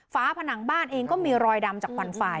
ฝนังบ้านเองก็มีรอยดำจากควันไฟ